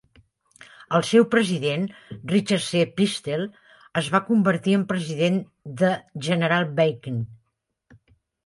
El seu president, Richard C. Pistell, es va convertir en president de General Banking.